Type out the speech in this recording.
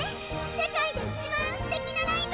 世界で一番すてきなライブ！